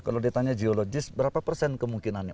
kalau ditanya geologis berapa persen kemungkinannya